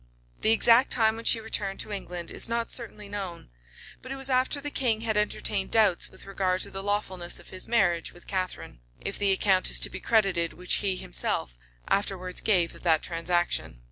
The exact time when she returned to England is not certainly known; but it was after the king had entertained doubts with regard to the lawfulness of his marriage with Catharine, if the account is to be credited which he himself afterwards gave of that transaction.